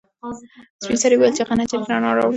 سپین سرې وویل چې هغه نجلۍ رڼا راوړي.